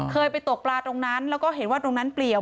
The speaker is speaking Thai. เคยไปตกปลาตรงนั้นแล้วก็เห็นว่าตรงนั้นเปลี่ยว